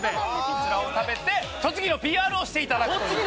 こちらを食べて栃木のＰＲをしていただくという。